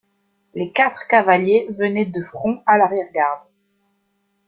Les quatre cavaliers venaient de front à l’arrière-garde.